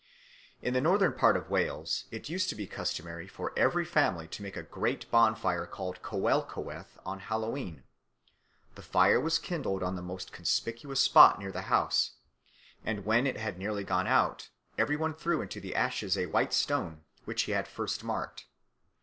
In the northern part of Wales it used to be customary for every family to make a great bonfire called Coel Coeth on Hallowe'en. The fire was kindled on the most conspicuous spot near the house; and when it had nearly gone out every one threw into the ashes a white stone, which he had first marked.